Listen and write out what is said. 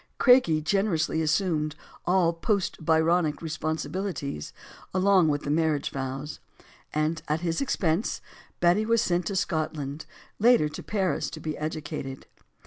Craigie generously assumed all post Byronic responsibilities, along with the marriage vows. And, at his expense, Betty was sent to Scotland later to Paris to be educated.